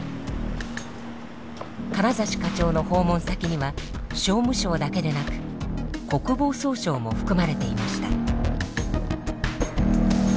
金指課長の訪問先には商務省だけでなく国防総省も含まれていました。